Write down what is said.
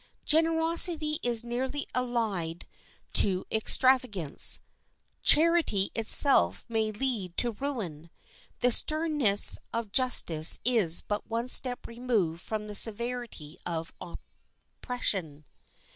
Generosity is nearly allied to extravagance; charity itself may lead to ruin; the sternness of justice is but one step removed from the severity of oppression.